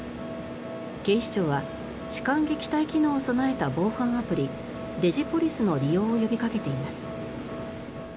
警視庁は痴漢撃退機能を備えた防犯アプリデジポリスの利用を呼びかけています。